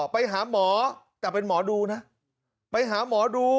ไปหาหมอแต่เป็นหมอดูนะไปหาหมอดู